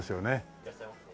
いらっしゃいませ。